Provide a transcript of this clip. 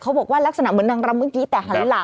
เขาบอกว่ารักษณะเหมือนนางรำเมื่อกี้แต่หันหลัง